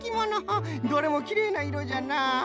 どれもきれいないろじゃなあ。